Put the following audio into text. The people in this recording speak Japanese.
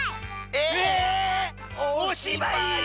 えっ⁉おしばい